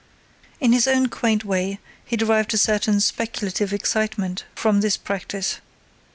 In his own quaint way he derived a certain speculative excitement from this practice.